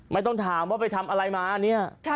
ไม่ต้องถามว่าไปทำอะไรมาเนี่ย